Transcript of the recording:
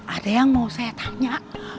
ada yang mau saya tanya